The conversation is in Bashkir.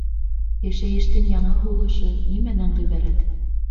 Йәшәйештең яңы һулышы нимәнән ғибәрәт?